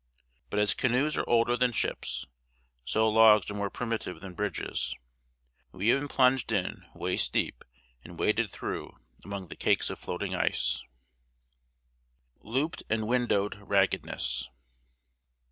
But as canoes are older than ships, so legs are more primitive than bridges. We e'en plunged in, waist deep, and waded through, among the cakes of floating ice. [Sidenote: "LOOPED AND WINDOWED RAGGEDNESS."